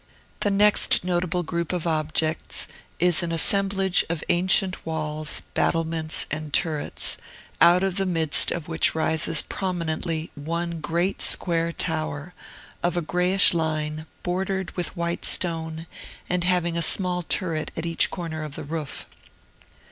The next notable group of objects is an assemblage of ancient walls, battlements, and turrets, out of the midst of which rises prominently one great square tower, of a grayish line, bordered with white stone, and having a small turret at each corner of the roof.